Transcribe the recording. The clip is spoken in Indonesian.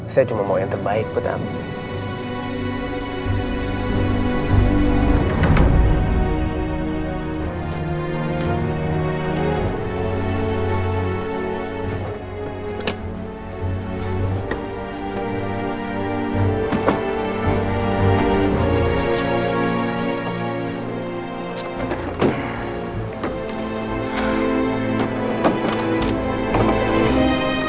saya cuma mau yang terbaik buat abi